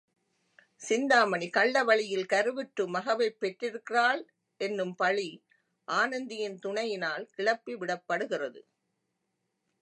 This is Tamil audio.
சிந்தாமணி கள்ள வழியில் கருவுற்று மகவைப் பெற்றிருக்கிறாள் என்னும் பழி ஆனந்தியின் துணையினால் கிளப்பிவிடப் படுகிறது.